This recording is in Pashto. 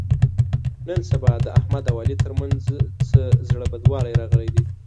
نن سبا د احمد او علي تر منځ څه زړه بدوالی راغلی دی.